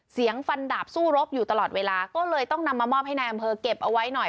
ฟันดาบสู้รบอยู่ตลอดเวลาก็เลยต้องนำมามอบให้นายอำเภอเก็บเอาไว้หน่อย